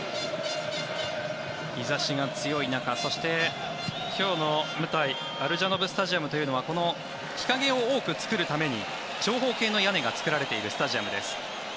日差しが強い中そして、今日の舞台アルジャノブ・スタジアムというのはこの日影を多く作るために長方形の屋根が作られているスタジアムです。